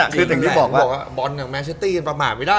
คืออย่างที่บอกว่าบอลกับแมชตี้กันประมาณไม่ได้